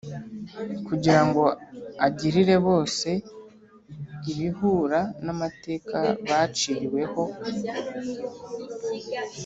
kugira ngo agirire bose ibihura n’amateka baciriwe ho